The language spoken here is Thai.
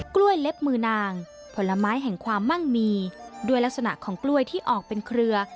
เล็บมือนางผลไม้แห่งความมั่งมีด้วยลักษณะของกล้วยที่ออกเป็นเครือ